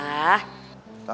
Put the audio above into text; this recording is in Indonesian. hah etak diner tuh ya